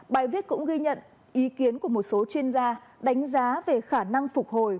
bài viết cũng ghi nhận ý kiến của một số chuyên gia đánh giá về khả năng phục hồi